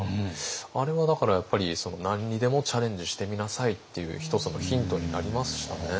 あれはだからやっぱり何にでもチャレンジしてみなさいっていう１つのヒントになりましたね。